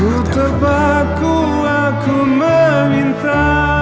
aku terpaku aku meminta